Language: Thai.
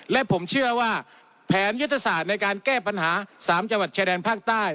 และผมเชื่อว่าแผนยุทธศาสตร์ในการแก้ปัญหา๓จังหวัดชายแดนภาคใต้